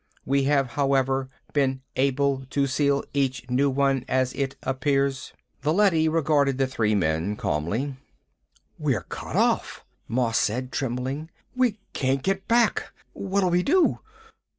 We have, however, been able to seal each new one as it appears." The leady regarded the three men calmly. "We're cut off," Moss said, trembling. "We can't get back. What'll we do?"